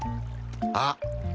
あっ。